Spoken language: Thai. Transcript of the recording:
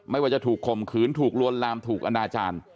ไม่ว่าจะถูกข่มขืนถูกลวนลามถูกอนาจารย์